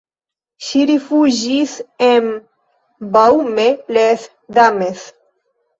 Ŝi rifuĝis en Baume-les-Dames.